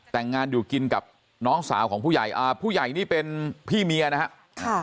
แต่งงานอยู่กินกับน้องสาวของผู้ใหญ่อ่าผู้ใหญ่นี่เป็นพี่เมียนะครับ